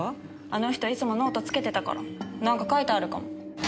あの人いつもノートつけてたからなんか書いてあるかも。